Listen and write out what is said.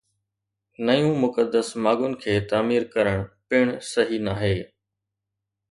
نيون مقدس ماڳن کي تعمير ڪرڻ پڻ صحيح ناهي